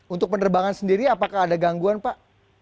untuk penerbangan sendiri apakah ada gangguan pak